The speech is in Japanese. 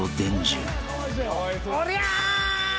おりゃ。